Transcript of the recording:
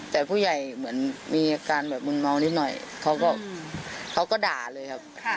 แต่ผู้ใหญ่เหมือนมีอาการแบบมึนเมานิดหน่อยเขาก็เขาก็ด่าเลยครับ